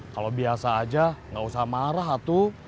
kalau biasa aja gak usah marah atu